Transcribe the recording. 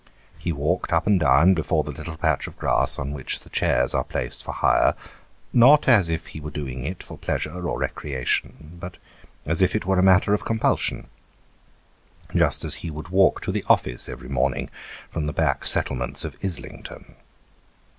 He walked up and down before the little patch of grass on which the chairs are placed for hire, not as if ho were doing it for pleasure or recreation, but as if it were a matter of compulsion, just as he would walk to the office every morning from 160 Sketches by Boz. the back settlements of Islington.